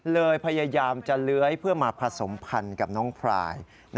เลยพยายามจะเลื้อยเพื่อมาผสมพันธ์กับน้องพราย